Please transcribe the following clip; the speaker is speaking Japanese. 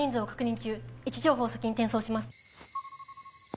中位置情報を先に転送します